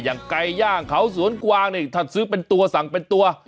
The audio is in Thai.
อย่างไก่ย่างเขาสวนกวางนี่ถ้าซื้อเป็นตัวสั่งเป็นตัว